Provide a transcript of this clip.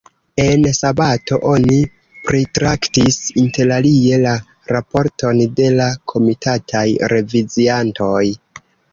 En sabato oni pritraktis interalie la raporton de la komitataj reviziantoj.